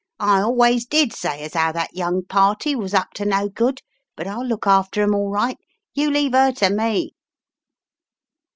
"I always did say as 9 ow that young party was up to no good, but I'll look after 'em all right. You leave 9 ev to me."